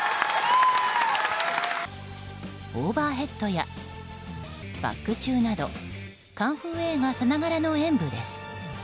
オーバーヘッドや、バック宙などカンフー映画さながらの演舞です。